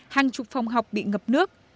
hàng chục phòng học bị ngập nước